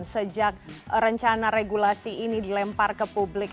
sejak rencana regulasi ini dilempar ke publik